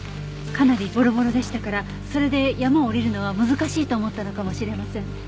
かなりボロボロでしたからそれで山を下りるのは難しいと思ったのかもしれません。